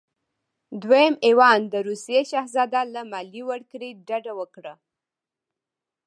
دویم ایوان د روسیې شهزاده له مالیې ورکړې ډډه وکړه.